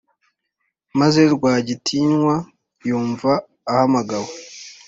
maze rwagitinywa yumva ahamagawe